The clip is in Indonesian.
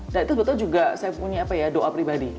dan itu sebetulnya juga saya punya apa ya doa pribadi